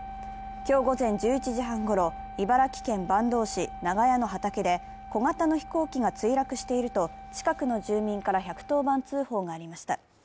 今日午前１１時半ごろ、茨城県坂東市長谷の畑で小型の飛行機が墜落していると近くの住民から１１０番通報がありました。